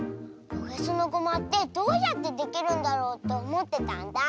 おへそのごまってどうやってできるんだろうっておもってたんだ。